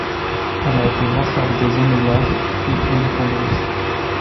Elle a été vassale des Omeyyades, puis indépendante.